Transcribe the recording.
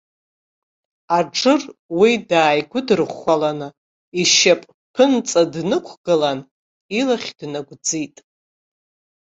Аџыр, уи дааигәыдырӷәӷәаланы, ишьап ԥынҵа дықәгылан илахь днагәӡит.